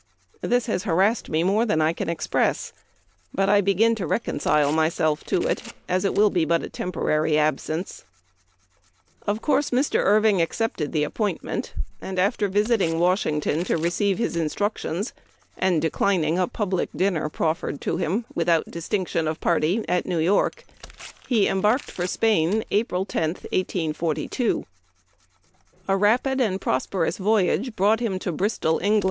This has harassed me more than I can express ; but I begin to reconcile myself to it, as it will be but a temporary absence." Of course, Mr. Irving accepted the appoint Memoir of Washington Irving. 271 ment ; and after visiting Washington to receive his instructions, and declining a public dinner proffered to him, without distinction of party, at New York, he embarked for Spain April 10, 1842. A rapid and prosperous voyage brought him to Bristol, Eng.